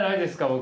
僕。